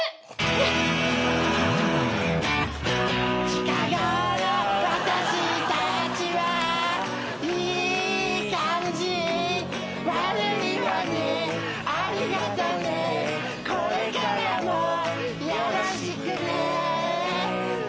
「近ごろ私達はいい感じ」「悪いわねありがとねこれからもよろしくね」